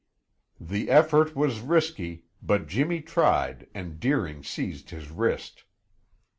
The effort was risky, but Jimmy tried and Deering seized his wrist.